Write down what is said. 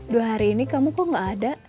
dua hari ini kamu kok gak ada